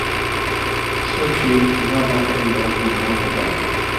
سو ڇھیرمالاں اَیں مہ گُھرٶں پکار تُھو۔